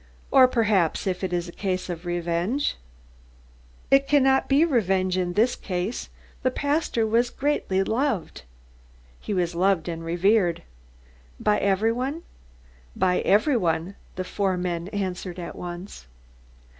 "Or perhaps if it is a case of revenge. "It cannot be revenge in this case!" "The pastor was greatly loved?" "He was loved and revered." "By every one?" "By every one!" the four men answered at once.